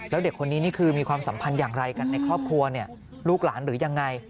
ลูกหลานหรือยังไง